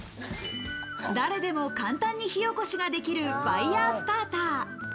誰でも簡単に火起こしができるファイヤースターター。